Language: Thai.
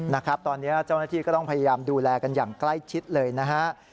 นะครับตอนนี้เจ้าหน้าที่ก็ต้องพยายามดูแลกันอย่างใกล้ชิดเลยนะฮะ